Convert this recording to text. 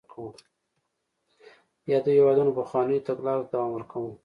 یادو هېوادونو پخوانیو تګلارو ته دوام ورکاوه.